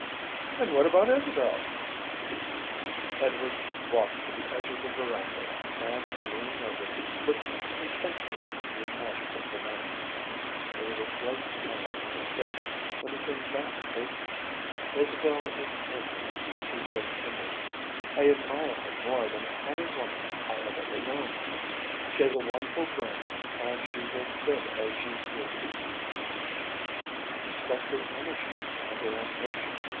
"And what about Isabel?" Edward walked to the edge of the verandah and leaning over looked intently at the blue magic of the night. There was a slight smile on his face when he turned back to Bateman. "Isabel is infinitely too good for me. I admire her more than any woman I have ever known. She has a wonderful brain and she's as good as she's beautiful. I respect her energy and her ambition.